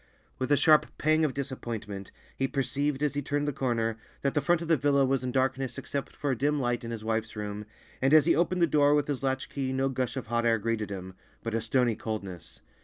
With a sharp pang of disappointment, he perceived, as he turned the corner, that the front of the villa was in darkness except for a dim light in his wife's room, and as he opened the door with his latch key no gush of hot air greeted him, but a stony coldness.